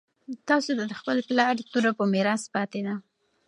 تاسو ته د خپل پلار توره په میراث پاتې ده.